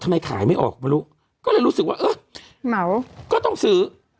ขายไม่ออกไม่รู้ก็เลยรู้สึกว่าเออเหมาก็ต้องซื้อ